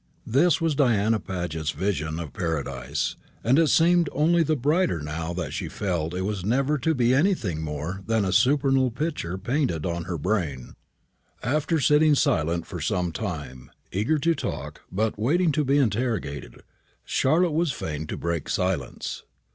This was Diana Paget's vision of Paradise, and it seemed only the brighter now that she felt it was never to be anything more than a supernal picture painted on her brain. After sitting silent for some little time, eager to talk, but waiting to be interrogated, Charlotte was fain to break silence.